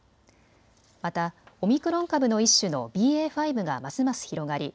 またオミクロン株の一種のＢＡ．５がますます広がり